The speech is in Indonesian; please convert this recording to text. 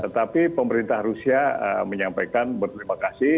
tapi pemerintah rusia menyampaikan berterima kasih